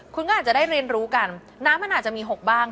คุณก็อาจจะได้เรียนรู้กันน้ำมันอาจจะมีหกบ้าง